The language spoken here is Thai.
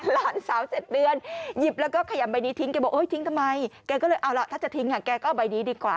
หลานสาว๗เดือนหยิบแล้วก็ขยำใบนี้ทิ้งแกบอกทิ้งทำไมแกก็เลยเอาล่ะถ้าจะทิ้งแกก็เอาใบนี้ดีกว่า